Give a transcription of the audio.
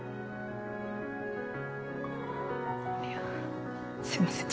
いやすいません